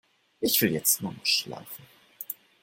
Ich will jetzt nur noch schlafen.